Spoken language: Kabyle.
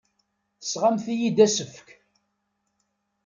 Tesɣamt-iyi-d asefk?!